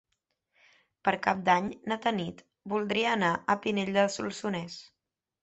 Per Cap d'Any na Tanit voldria anar a Pinell de Solsonès.